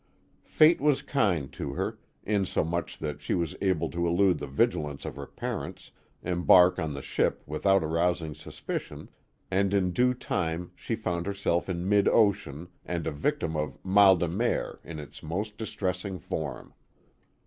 Fate was kind to her, in so much that she was able to elude the vigilance of her parents, embark on the ship without arous ing suspicion, and in due time she found herself in mid ocean and a victim of mal dc mcr in its most distressing form.